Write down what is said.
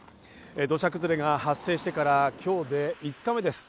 土砂崩れが発生してから今日で５日目です。